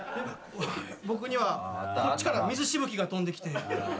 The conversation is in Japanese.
僕にはこっちから水しぶきが飛んできて。